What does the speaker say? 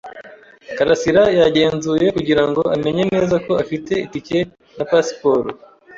Karasirayagenzuye kugira ngo amenye neza ko afite itike na pasiporo.